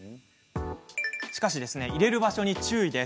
しかし、入れる場所に注意。